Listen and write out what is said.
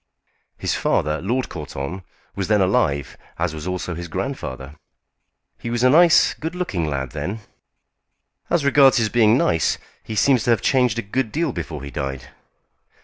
His father, Lord Courton, was then alive, as was also his grandfather. He was a nice, good looking lad then." "As regards his being nice, he seems to have changed a good deal before he died."